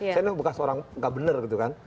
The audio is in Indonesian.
saya ini bekas orang gak bener gitu kan